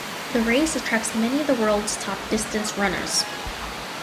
The race attracts many of the world's top distance runners.